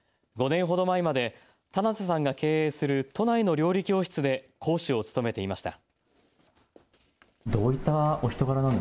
５年ほど前まで棚瀬さんが経営する都内の料理教室で講師を務めていました。